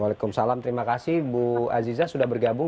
waalaikumsalam terima kasih bu aziza sudah bergabung